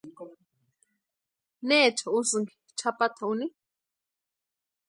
¿Neecha úsïki chʼapata úni?